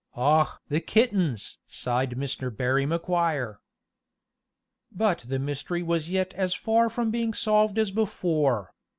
"Och! the kittens!" sighed Mr. Barney Maguire. But the mystery was yet as far from being solved as before.